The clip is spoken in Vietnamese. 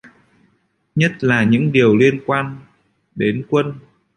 Nhất là những điều liên quan đến quân